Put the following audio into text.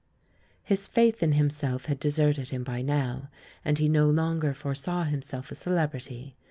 His faith in himself had deserted him by now, and he no longer foresaw himself a celebrity.